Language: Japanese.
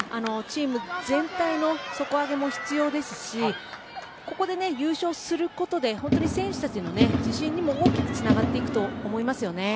チーム全体の底上げも必要ですしここで優勝することで本当に選手たちの自信にも大きくつながると思います。